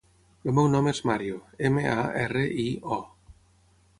El meu nom és Mario: ema, a, erra, i, o.